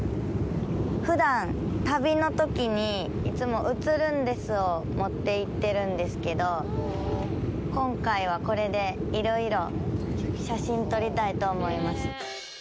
ふだん旅のときに、いつも「写ルンです」を持っていってるんですけど、今回は、これで、いろいろ写真撮りたいと思います。